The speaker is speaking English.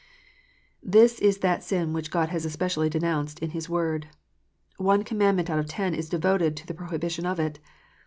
This is that sin which God has especially denounced in His Word. One commandment out of ten is devoted to the pro hibition of it.